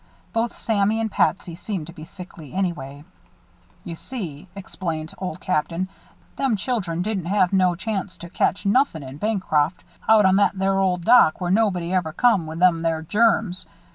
Both Sammy and Patsy seemed to be sickly, anyway. "You see," explained Old Captain, "them children didn't have no chance to catch nothin' in Bancroft out on that there old dock where nobody ever come with them there germs.